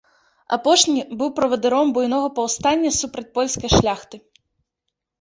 Апошні быў правадыром буйнога паўстання супраць польскай шляхты.